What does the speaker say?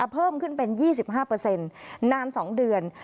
เพิ่มขึ้นเป็น๒๕นาน๒เดือน